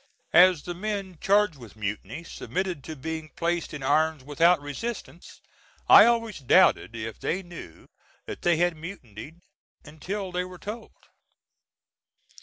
As the men charged with mutiny submitted to being placed in irons without resistance, I always doubted if they knew that they had mutinied until they were told.